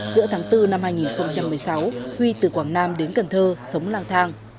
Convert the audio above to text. giữa tháng bốn năm hai nghìn một mươi sáu huy từ quảng nam đến cần thơ sống lang thang